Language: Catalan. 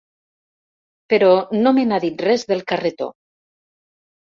Però no me n'ha dit res, del carretó.